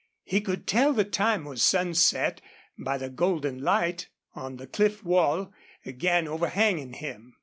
He could tell the time was sunset by the golden light on the cliff wall again overhanging him.